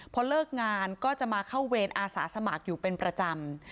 พอเลิกงานก็จะมาเข้าเวรอาสาสมัครอยู่เป็นประจำ